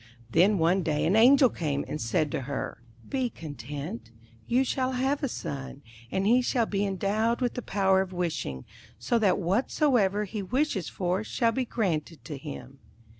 Then one day an Angel came, and said to her: 'Be content: you shall have a son, and he shall be endowed with the power of wishing, so that whatsoever he wishes for shall be granted to him.'